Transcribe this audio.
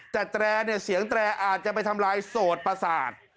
แต่แตรเนี่ยเสียงแตรอาจจะไปทำลายโสดประสาท